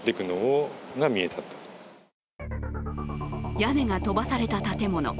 屋根が飛ばされた建物。